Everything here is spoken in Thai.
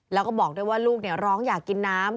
แล้วก็บอกด้วยว่าลูกร้องอยากกินน้ำ